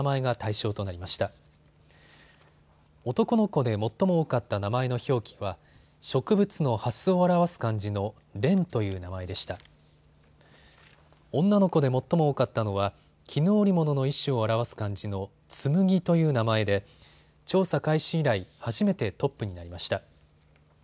女の子で最も多かったのは絹織物の一種を表す漢字の紬という名前で調査開始以来、初めてトップになりました。